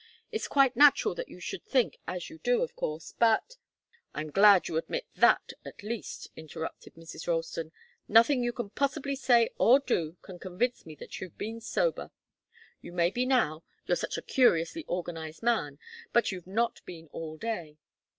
It's quite natural that you should think as you do, of course. But " "I'm glad you admit that, at least," interrupted Mrs. Ralston. "Nothing you can possibly say or do can convince me that you've been sober. You may be now you're such a curiously organized man. But you've not been all day."